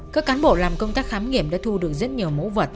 các cán bộ làm công tác khám nghiệm đã thu được rất nhiều mẫu vật